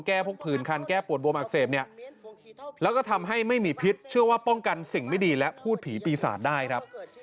พวกผื่นคันแก้ปวดบวมอักเสบเนี่ยแล้วก็ทำให้ไม่มีพิษเชื่อว่าป้องกันสิ่งไม่ดีและพูดผีปีศาจได้ครับ